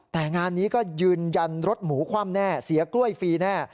แต่งานนี้ก็ยืนยันรถหมูคว่ำแน่เสียกล้วยฟรีแน่